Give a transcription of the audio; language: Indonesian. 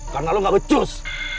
karena lu gak becus